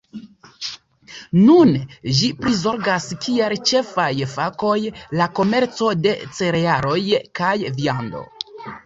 Nune ĝi prizorgas kiel ĉefaj fakoj la komerco de cerealoj kaj viando.